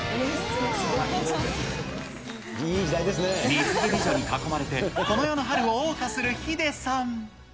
水着美女に囲まれて、この世の春をおう歌するヒデさん。